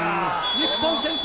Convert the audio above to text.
日本、先制！